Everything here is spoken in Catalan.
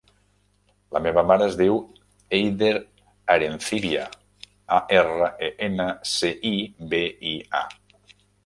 La meva mare es diu Eider Arencibia: a, erra, e, ena, ce, i, be, i, a.